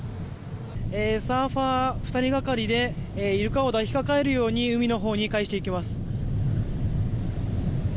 サーファー２人がかりでイルカを抱きかかえるように海のほうにかえしていきます。